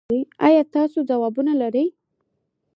ایا تاسو ځوابونه لرئ؟